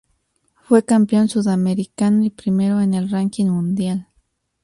Fue campeón sudamericano y primero en el ranking mundial.